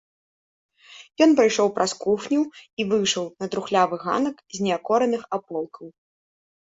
Ён прайшоў праз кухню і выйшаў на трухлявы ганак з неакораных аполкаў.